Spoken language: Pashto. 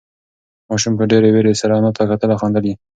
ماشوم په ډېرې وېرې سره انا ته کتل او خندل یې.